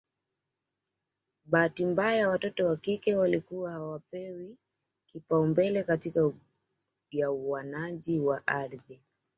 Bahati mbaya watoto wa kike walikuwa hawapewi kipaumbele katika ugawanaji wa ardhi